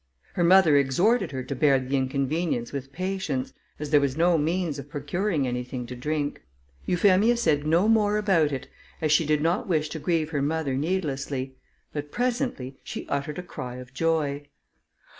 Her mother exhorted her to bear the inconvenience with patience, as there was no means of procuring anything to drink. Euphemia said no more about it, as she did not wish to grieve her mother needlessly; but presently she uttered a cry of joy.